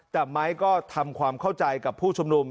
แต่ไม้ก็ทำความเข้าใจกับผู้ชุมนุม